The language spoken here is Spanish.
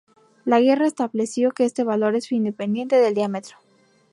Laguerre estableció que este valor es independiente del diámetro.